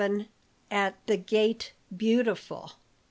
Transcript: AT THE GATE BEAUTIFUL.